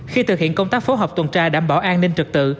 khi thực hiện công tác phối hợp tuần tra đảm bảo an ninh trực tự